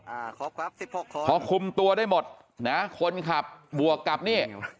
อ่าครบครับสิบหกขอคุมตัวได้หมดนะฮะคนขับบวกกับนี่